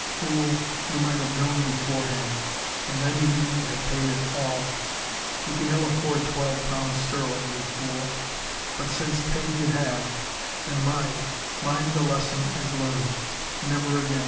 Fool, you might have known beforehand, and then you needn't have paid at all. You can ill afford twelve pounds sterling, you fool. But since paid you have, then mind, mind the lesson is learned. Never again.